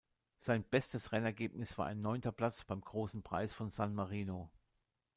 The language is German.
Sein bestes Rennergebnis war ein neunter Platz beim Großen Preis von San Marino.